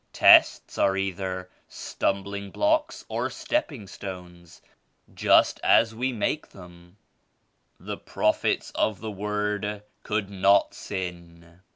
Tests are either stumbling blocks or stepping stones, just as we make them." "The Prophets of the Word could not sin.